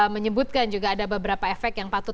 menyebutkan juga ada beberapa efek yang patut